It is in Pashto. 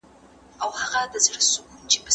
بریالیو کسانو ښه ملګري ټاکلي دي.